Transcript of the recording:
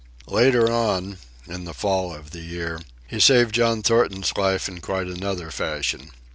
Later on, in the fall of the year, he saved John Thornton's life in quite another fashion.